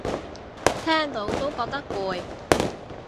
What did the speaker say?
聽到都覺得攰